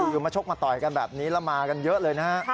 อยู่มาชกมาต่อยกันแบบนี้ละมากันเยอะเลยนะครับ